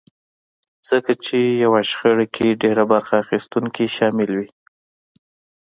ځکه چې يوه شخړه کې ډېر برخه اخيستونکي شامل وي.